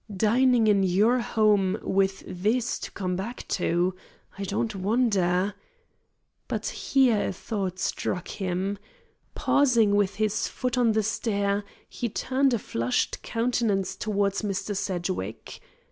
Dining in your home, with this to come back to! I don't wonder " But here a thought struck him. Pausing with his foot on the stair, he turned a flushed countenance towards Mr. Sedgwick.